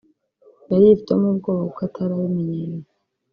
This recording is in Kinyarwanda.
yari yifitemo ubwoba kuko atari abimenyereye